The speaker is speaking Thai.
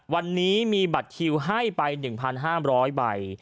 วันนี้มีบัตรคิวให้ไป๑๕๐๐ใบ